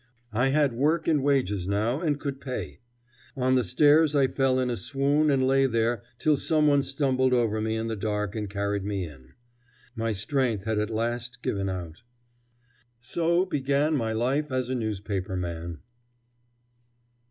I had work and wages now, and could pay. On the stairs I fell in a swoon and lay there till some one stumbled over me in the dark and carried me in. My strength had at last given out. So began my life as a newspaper man.